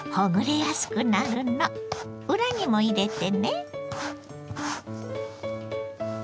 裏にも入れてね。